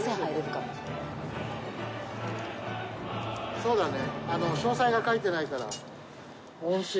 そうだね。